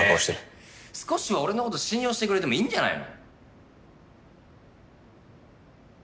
少しは俺の事信用してくれてもいいんじゃないの？